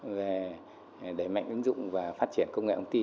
về đẩy mạnh ứng dụng và phát triển công nghệ ống tin